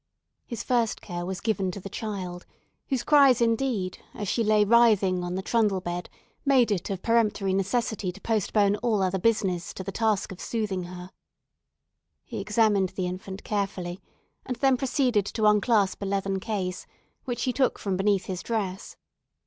His first care was given to the child, whose cries, indeed, as she lay writhing on the trundle bed, made it of peremptory necessity to postpone all other business to the task of soothing her. He examined the infant carefully, and then proceeded to unclasp a leathern case, which he took from beneath his dress.